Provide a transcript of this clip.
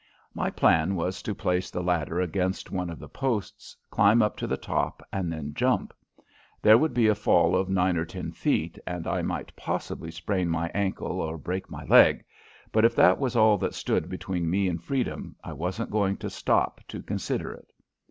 My plan was to place the ladder against one of the posts, climb up to the top, and then jump. There would be a fall of nine or ten feet, and I might possibly sprain my ankle or break my leg, but if that was all that stood between me and freedom I wasn't going to stop to consider it.